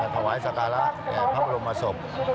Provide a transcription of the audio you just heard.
ถวายสการะแต่พร้อมลงมาศพ